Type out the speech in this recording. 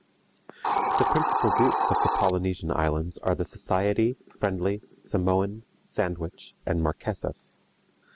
The principal groups of the Polynesian Islands are the Society, Friendly, Samoan, Sandwich, and Marquesas.